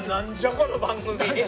この番組。